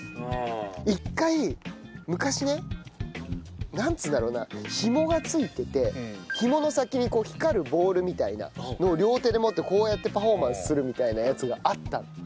一回昔ねなんていうんだろうなひもがついててひもの先に光るボールみたいなのを両手で持ってこうやってパフォーマンスするみたいなやつがあったの。